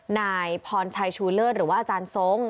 นายพรชัยชูเลิศหรือว่าอาจารย์ทรง